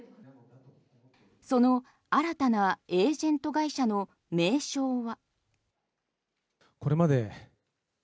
その新たなエージェント会社の名称は。